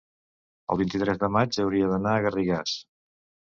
el vint-i-tres de maig hauria d'anar a Garrigàs.